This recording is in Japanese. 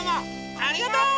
ありがとう！